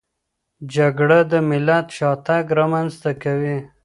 جګړه د ملت شاتګ رامنځته کوي.